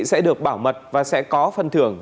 sẽ được bảo mật và sẽ có phân thưởng